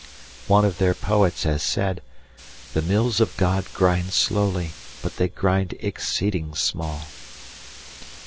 One of their poets has said: "The mills of God grind slowly, but they grind exceeding small."